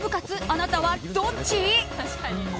あなたはどっち？